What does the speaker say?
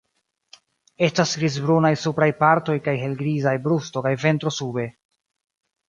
Estas grizbrunaj supraj partoj kaj helgrizaj brusto kaj ventro sube.